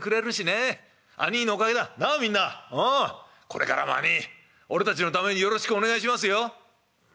これからも兄ぃ俺たちのためによろしくお願いしますよ」。